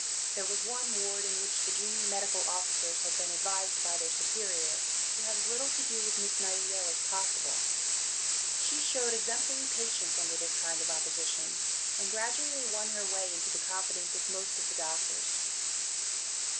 There was one ward in which the junior medical officers had been advised by their superior to have as little to do with Miss Nightingale as possible. She showed exemplary patience under this kind of opposition, and gradually won her way into the confidence of most of the doctors.